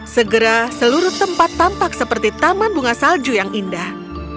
segera seluruh tempat tampak seperti taman bunga salju yang indah